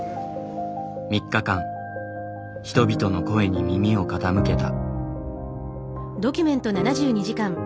３日間人々の声に耳を傾けた。